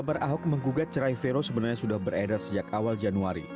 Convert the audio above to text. kabar ahok menggugat cerai vero sebenarnya sudah beredar sejak awal januari